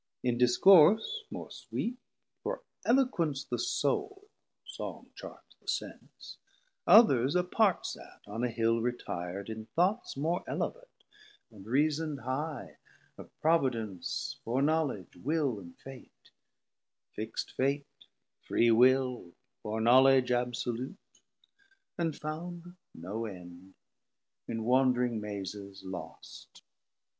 In discourse more sweet (For Eloquence the Soul, Song charms the Sense,) Others apart sat on a Hill retir'd, In thoughts more elevate, and reason'd high Of Providence, Foreknowledge, Will, and Fate, Fixt Fate, free will, foreknowledge absolute, 560 And found no end, in wandring mazes lost.